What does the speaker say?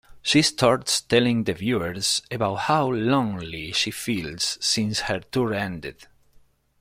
She starts telling the viewers about how lonely she feels since her tour ended.